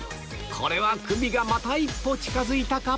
これはクビがまた一歩近づいたか？